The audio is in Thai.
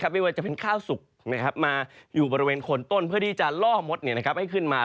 ไม่ว่าจะเป็นข้าวสุกมาอยู่บริเวณคนต้นเพื่อที่จะล่อมดให้ขึ้นมา